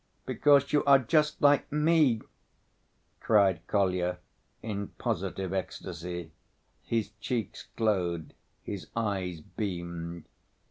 Because you are just like me," cried Kolya, in positive ecstasy. His cheeks glowed, his eyes beamed.